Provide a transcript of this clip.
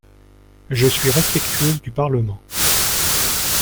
Je suis respectueuse du Parlement.